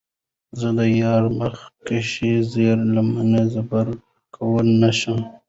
زۀ د يار مخکښې زېر لېمۀ زبَر کؤلے نۀ شم